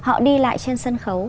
họ đi lại trên sân khấu